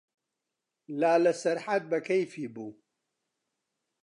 لالە سەرحەد بە کەیفی بوو.